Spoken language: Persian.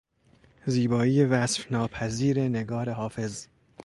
زیبایی وصف ناپذیر نگار حافظ